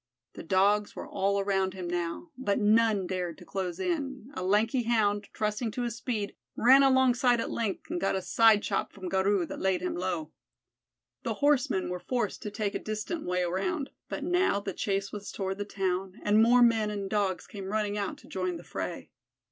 The Dogs were all around him now, but none dared to close in, A lanky Hound, trusting to his speed, ran alongside at length and got a side chop from Garou that laid him low. The horsemen were forced to take a distant way around, but now the chase was toward the town, and more men and Dogs came running out to join the fray.